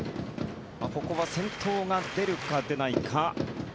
ここは先頭が出るか出ないか。